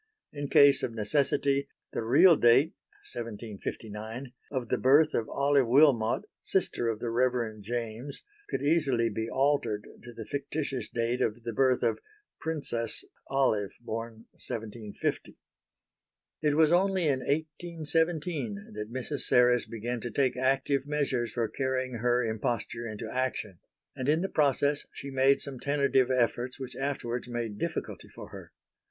In case of necessity the real date (1759) of the birth of Olive Wilmot sister of the Rev. James could easily be altered to the fictitious date of the birth of "Princess" Olive born 1750. It was only in 1817 that Mrs. Serres began to take active measures for carrying her imposture into action; and in the process she made some tentative efforts which afterwards made difficulty for her.